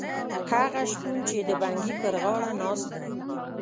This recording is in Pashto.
هغه شپون چې د بنګي پر غاړه ناست دی.